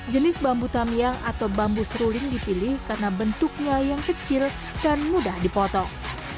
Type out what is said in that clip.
jenis bambu tamiang atau bambu seruling dipilih karena bentuknya yang kecil dan mudah dipotong